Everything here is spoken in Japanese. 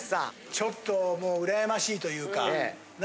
ちょっともう羨ましいというか。